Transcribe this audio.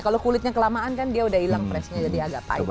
kalau kulitnya kelamaan kan dia udah hilang freshnya jadi agak payung